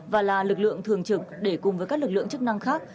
và là lực lượng thường trực để cùng với các lực lượng chức năng khác